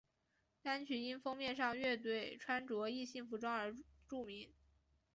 单曲因封面上乐队穿着异性服装而著名。